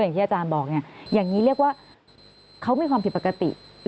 อย่างที่อาจารย์บอกเนี่ยอย่างนี้เรียกว่าเขามีความผิดปกติ